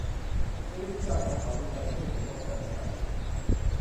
โดยวิธีการของเขาคือการช่วยเหลือคนแปลกหน้า